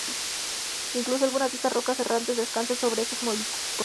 Incluso, algunas de estas rocas errantes descansan sobre estos montículos.